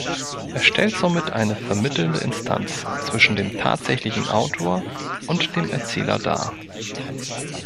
Er stellt somit eine vermittelnde Instanz zwischen dem tatsächlichen Autor und dem Erzähler dar.